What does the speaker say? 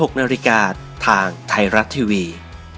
ใช้คันอีก